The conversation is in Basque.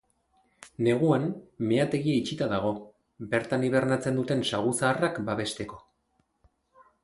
Neguan meategia itxita dago, bertan hibernatzen duten saguzarrak babesteko.